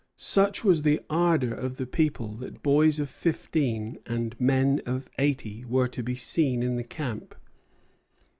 Such was the ardor of the people that boys of fifteen and men of eighty were to be seen in the camp.